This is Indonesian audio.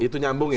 itu nyambung ya